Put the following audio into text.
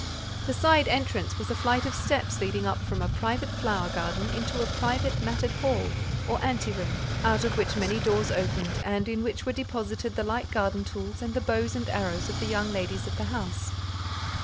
The "side entrance" was a flight of steps leading up from a private flower garden into a private matted hall, or ante room, out of which many doors opened, and in which were deposited the light garden tools and the bows and arrows of the young ladies of the house.